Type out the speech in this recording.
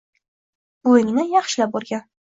Buvingni yaxshilab o‘rgan.